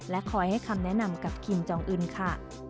คอยให้คำแนะนำกับคิมจองอื่นค่ะ